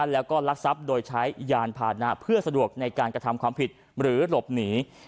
แล้วก็ลักทรัพย์โดยใช้ยานพานะเพื่อสะดวกในการกระทำความผิดหรือหลบหนี